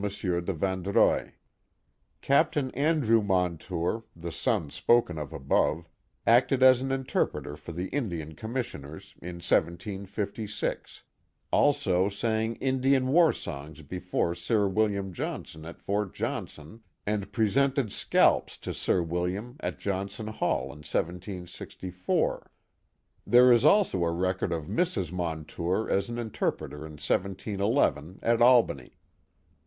de Vandreuil. Captain Andrew Montour, the son spoken of above, acted as an interpreter for the Indian Commissioners in 1756; also sang Indian war songs before Sir William Johnson at Fort Johnson, and presented scalps to Sir William at Johnson Hall in 1764. There is also a record of Mrs. Montour as an interpreter in 171 1, at Albany.